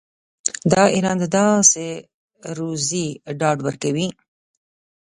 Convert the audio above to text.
دا اعلان د داسې روزي ډاډ ورکوي.